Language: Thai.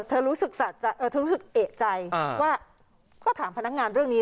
เออเธอรู้สึกสะเอ่อเธอรู้สึกเอกใจอ่าว่าก็ถามพนักงานเรื่องนี้